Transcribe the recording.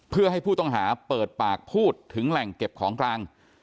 เพื่อให้ผู้ต้องหาเปิดปากพูดถึงแหล่งเก็บของกลาง